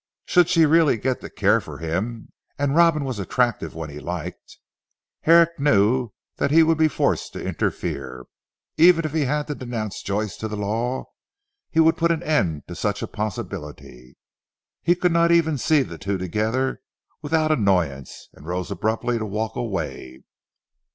Should she really get to care for him (and Robin was attractive when he liked) Herrick knew that he would be forced to interfere. Even if he had to denounce Joyce to the law, he would put an end to such a possibility. He could not even see the two together without annoyance, and rose abruptly to walk away.